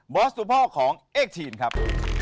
ก็สู่พ่อของเอ็กซ์ทีนครับ